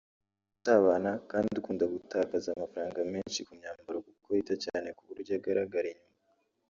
usabana kandi ukunda gutakaza amafranga menshi ku myambaro kuko yita cyane ku buryo agaragara inyuma